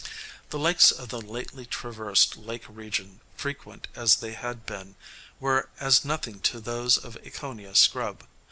The lakes of the lately traversed "Lake Region," frequent as they had been, were as nothing to those of Ekoniah Scrub.